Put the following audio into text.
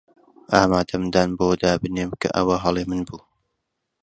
ئامادەم دان بەوەدا بنێم کە ئەوە هەڵەی من بوو.